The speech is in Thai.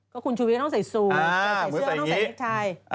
ก็คุณชูวิทย์ก็ต้องใส่ซูนใส่เสื้อก็ต้องใส่เน็กไทยอ๋อมึงใส่อย่างนี้